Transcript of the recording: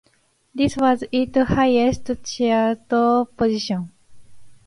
This was its highest chart position.